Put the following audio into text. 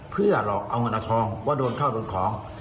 เพื่อหลอกเอาเงินเอาทองว่าโดนเข้าโดนของ